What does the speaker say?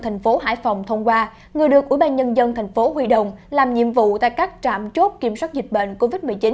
thành phố hải phòng thông qua người được ubnd thành phố huy đồng làm nhiệm vụ tại các trạm chốt kiểm soát dịch bệnh covid một mươi chín